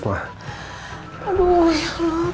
aduh ya allah